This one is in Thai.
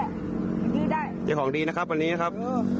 อันนี้ได้อย่างของดีนะครับอันนี้นะครับ